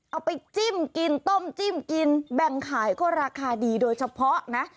เอาไปจิ้มกินต้มจิ้มกินแบ่งขายก็ราคาดีโดยเฉพาะนะ